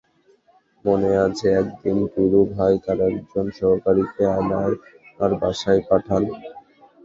মনে আছে, একদিন টুলু ভাই তাঁর একজন সহকারীকে আমার বাসায় পাঠান।